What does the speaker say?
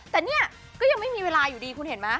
แต่เนี่ยก็ยังไม่มีเวลาอยู่ดีคุณเห็นไหม